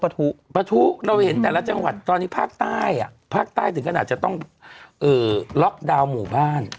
ปะทุเราเห็นแต่ละจังหวัดตอนนี้ภาคใต้ภาคใต้ถึงขนาดจะต้องล็อกดาวน์หมู่บ้าน